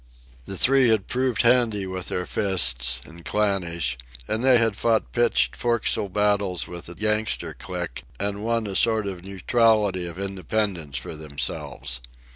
The three had proved handy with their fists, and clannish; they had fought pitched forecastle battles with the gangster clique and won a sort of neutrality of independence for themselves.